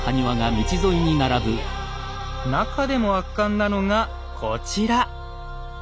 なかでも圧巻なのがこちら。